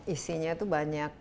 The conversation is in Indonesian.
isinya tuh banyak